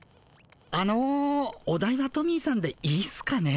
あのお代はトミーさんでいいっすかね？